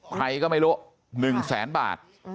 ใครก็ไม่รู้๑แสนบาท